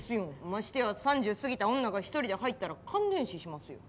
ましてや３０過ぎた女が一人で入ったら感電死しますよ。